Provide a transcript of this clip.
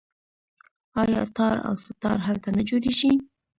آیا تار او سه تار هلته نه جوړیږي؟